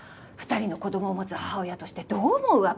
２人の子供を持つ母親としてどう思う？